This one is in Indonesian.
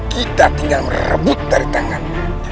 kita tinggal merebut dari tangan